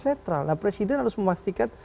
netral nah presiden harus memastikan